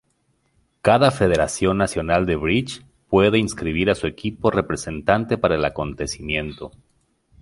Cada federación nacional de bridge puede inscribir a su equipo representante para el acontecimiento.